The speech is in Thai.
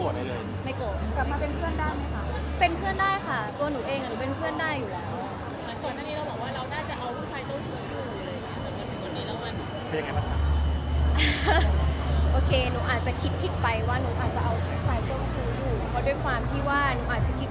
ถ้าเขางอนเรายอมท่าอภัย